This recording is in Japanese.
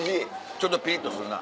ちょっとピリっとするな。